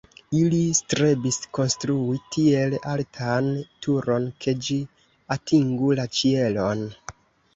Ili strebis konstrui tiel altan turon, ke ĝi atingu la ĉielon.